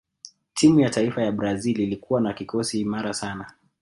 timu ya taifa ya brazil ilikuwa na kikosi imara sana